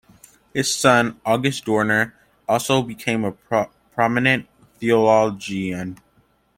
His son, August Dorner, also became a prominent theologian.